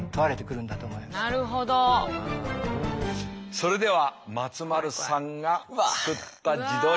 それでは松丸さんが作った自撮り。